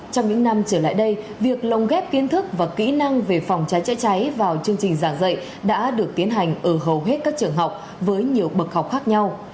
trong những năm trở lại đây việc lồng ghép kiến thức và kỹ năng về phòng cháy chữa cháy vào chương trình giảng dạy đã được tiến hành ở hầu hết các trường học với nhiều bậc học khác nhau